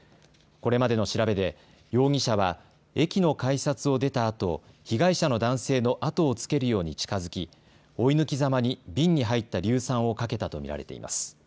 これまでの調べで容疑者は駅の改札を出たあと被害者の男性の後をつけるように近づき追い抜きざまに瓶に入った硫酸をかけたと見られています。